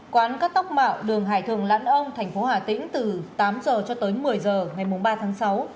quán cát tóc mạo đường hải thường lãn ông tp hà tĩnh từ tám h cho tới một mươi h ngày ba tháng sáu